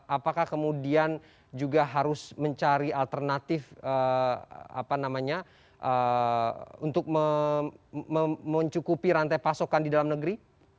apakah kemudian juga harus mencari alternatif untuk mencukupi rantai pasokan di dalam negeri